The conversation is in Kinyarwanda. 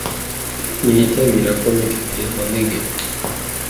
ntiyitabira Committee is alleged